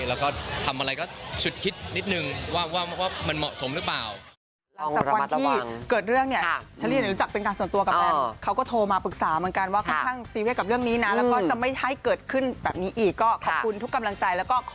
แล้วก็ทำอะไรก็สุดคิดนิดนึงว่ามันเหมาะสมหรือเปล่า